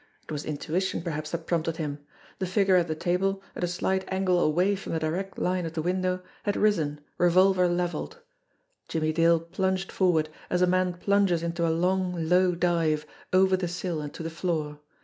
It was intuition perhaps that prompted him. The fig' ure at the table, at a slight angle away from the direct line of the window, had risen, revolver levelled. Jimmie Dale plunged forward, as a man plunges in a long, low dive, over the sill and to the floor.